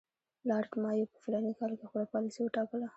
لارډ مایو په فلاني کال کې خپله پالیسي وټاکله.